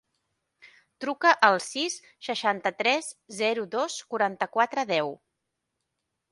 Truca al sis, seixanta-tres, zero, dos, quaranta-quatre, deu.